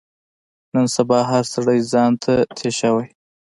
نن سبا هر سړی ځان ته تېشه وهي.